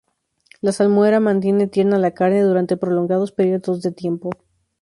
La salmuera mantiene tierna la carne durante prolongados periodos de tiempo.